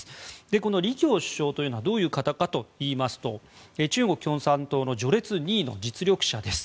この李強首相というのはどういう方かというと中国共産党の序列２位の実力者です。